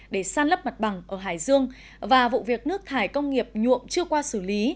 để san lấp mặt bằng ở hải dương và vụ việc nước thải công nghiệp nhuộm chưa qua xử lý